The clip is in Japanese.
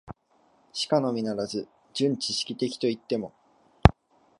しかのみならず、純知識的といっても、